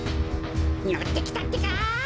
のってきたってか。